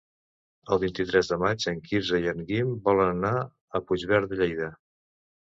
El vint-i-tres de maig en Quirze i en Guim volen anar a Puigverd de Lleida.